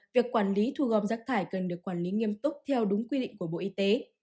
việc quản lý thu gom rác thải cần được quản lý nghiêm túc theo đúng quy định của bộ y tế